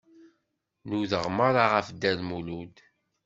Nudaɣ meṛṛa ɣef Dda Lmulud.